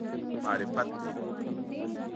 معرفت دی.